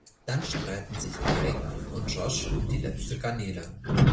Dann streiten sich Drake und Josh um die letzte Garnele.